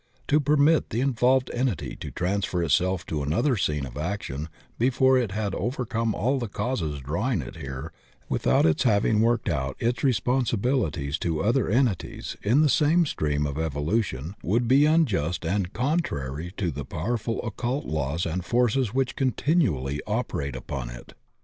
To permit the involved entity to transfer itself to another scene of action before it had over come all the causes drawing it here and without its having worked out its responsibilities to other entities in the same stream of evolution would be unjust and 80 THE OCEAN OF THEOSOPHY contrary to the powerful occult laws and forces which continually operate upon it.